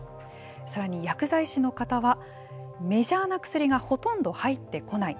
さらに、薬剤師の方はメジャーな薬がほとんど入ってこない。